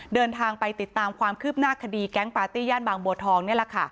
เดินทางไปติดตามความคืบหน้าคดีแก๊งปาร์ตี้ย่านบางบัวทองนี่แหละค่ะ